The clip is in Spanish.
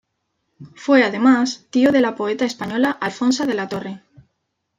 Fue además, tío de la poeta española Alfonsa de la Torre.